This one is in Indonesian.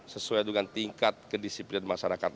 sesuai dengan tingkat kedisiplinan masyarakat